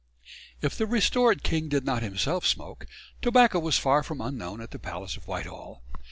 If the restored king did not himself smoke, tobacco was far from unknown at the Palace of Whitehall.